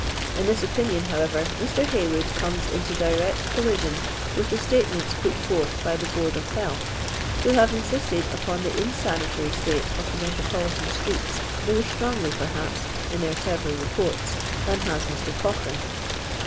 In this opinion, how ever, Mr. Haywood comes into direct collision with the statements put forth by the Board of Health, who have insisted upon the insanitary state of the metropolitan streets, more strongly, perhaps, in ^eir several Beports, than has Mr. Cochrane.